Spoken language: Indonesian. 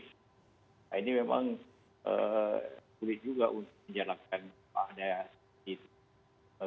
nah ini memang sulit juga untuk menjalankan ada seperti itu